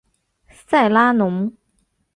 塞拉农。